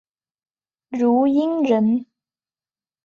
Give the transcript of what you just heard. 汝阴人。